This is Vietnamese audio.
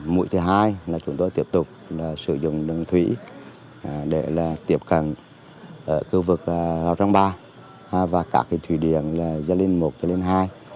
mũi thứ hai là chúng tôi tiếp tục sử dụng đường thủy để tiếp cận khu vực rào trăng ba và các thủy điện gia linh một liên hai